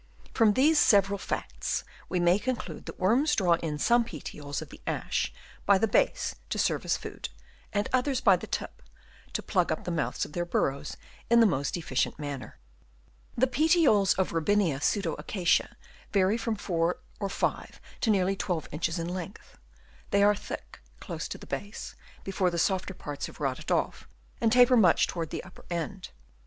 From these several facts we may conclude that worms draw in some petioles of the ash by the base to serve as food, and others by the tip to plug up the mouths of their burrows in the most efficient manner. The petioles of Robinia pseudo acacia vary from 4 or 5 to nearly 12 inches in length; they are thick close to the base before the softer parts have rotted off, and taper much towards the upper end.